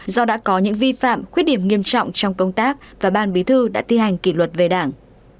do đã có những vi phạm khuyết điểm nghiêm trọng trong công tác và ban bí thư đã thi hành kỷ luật về đảng